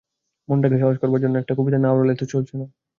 মনটাকে সহজ করবার জন্যে একটা কবিতা না আওড়ালে তো চলছে না।